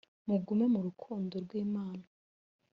mugume mu rukundo rw imana